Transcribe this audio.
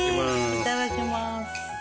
いただきます。